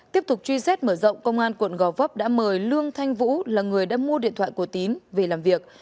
tiếp tục truy xét mở rộng công an quận gò vấp đã mời lương thanh vũ là người đã mua điện thoại của tín về làm việc